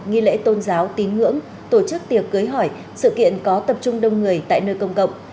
nghi lễ tôn giáo tín ngưỡng tổ chức tiệc cưới hỏi sự kiện có tập trung đông người tại nơi công cộng